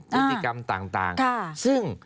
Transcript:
พฤติกรรมต่างซึ่ง